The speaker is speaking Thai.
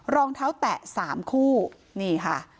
รองเท้าแตะ๓คู่นี่ค่ะ